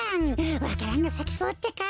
わか蘭がさきそうってか。